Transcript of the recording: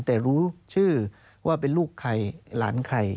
แต่รู้ชื่อว่าเป็นลูกใครหลานใคร